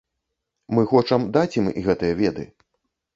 Мы хочам даць ім гэтыя веды.